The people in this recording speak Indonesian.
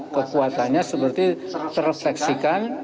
kekuatannya seperti terrefleksikan